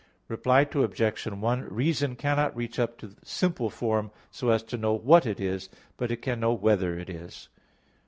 Reply Obj. 1: Reason cannot reach up to simple form, so as to know "what it is"; but it can know "whether it is."